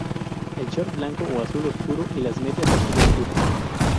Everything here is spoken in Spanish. El short blanco o azul oscuro y las medias azul oscuras.